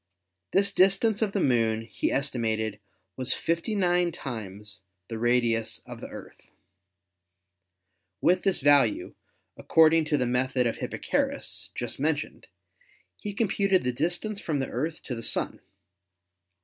This distance of the Moon he estimated was 59 times the radius of the Earth. With 168 ASTRONOMY this value, according to the method of Hipparchus just mentioned, he computed the distance from the Earth to the Sun.